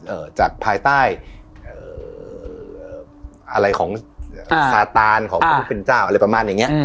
เอ่อจากภายใต้เอ่ออะไรของอ่าสตาร์นของพระพุทธเจ้าอะไรประมาณอย่างเงี้ย